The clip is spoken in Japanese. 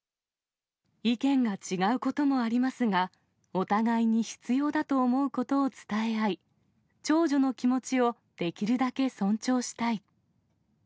意見が違うこともありますが、お互いに必要だと思うことを伝え合い、長女の気持ちをできるだけ尊重したい。